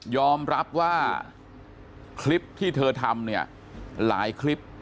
อมรับว่าคลิปที่เธอทำเนี่ยหลายคลิป